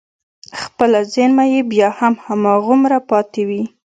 خپله زېرمه يې بيا هم هماغومره پاتې وي.